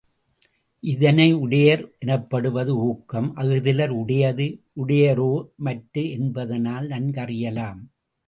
இதனை, உடையர் எனப்படுவது ஊக்கம் அஃதிலார் உடையது உடையரோ மற்று என்பதனால் நன்கறியலாம்.